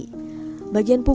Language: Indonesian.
tidak ada yang kaya